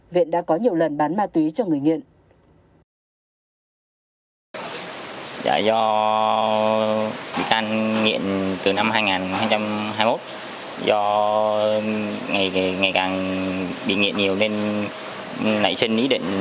viện đã có nhiều lần bán ma túy cho người nghiện